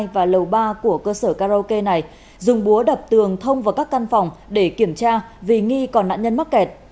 và lầu ba của cơ sở karaoke này dùng búa đập tường thông vào các căn phòng để kiểm tra vì nghi còn nạn nhân mắc kẹt